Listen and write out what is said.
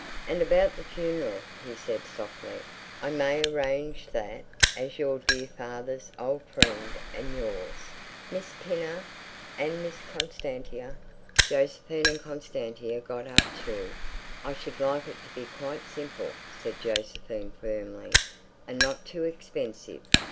"And about the funeral," he said softly. "I may arrange that—as your dear father's old friend and yours, Miss Pinner—and Miss Constantia?" Josephine and Constantia got up too. "I should like it to be quite simple," said Josephine firmly, "and not too expensive.